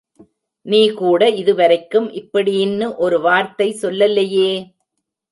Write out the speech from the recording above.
நீ கூட இதுவரைக்கும் இப்படீன்னு ஒரு வார்த்தை, சொல்லலையே.